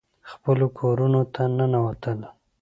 خپلو کورونو ته ننوتل.